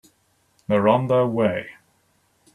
They're on their way.